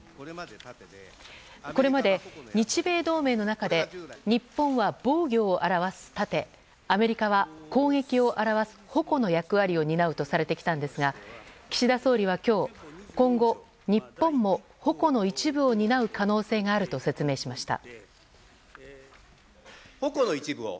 これまで日米同盟の中で日本は防御を表す盾アメリカは攻撃を表す矛の役割を担うとされてきたんですが岸田総理は今日今後、日本も矛の一部を担う可能性があると説明しました。